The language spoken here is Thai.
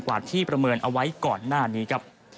กว่าที่ประเมินเอาไว้ก่อนหน้านี้ครับ